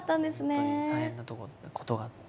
本当に大変なことがあって。